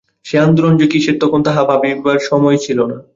সে আন্দোলন যে কিসের তখন তাহা ভাবিবার সময় ছিল না।